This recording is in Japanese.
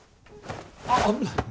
あ危ない。